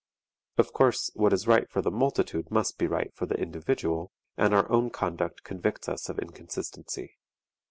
Of course, what is right for the multitude must be right for the individual, and our own conduct convicts us of inconsistency.